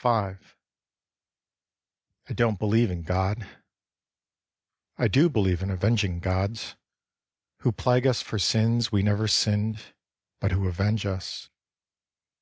V I don't believe in God. I do believe in avenging gods Who plague us for sins we never sinned But who avenge us.